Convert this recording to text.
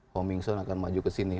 homingson akan maju kesini